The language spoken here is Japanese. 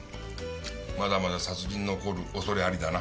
まだまだ殺人の起こるおそれありだな。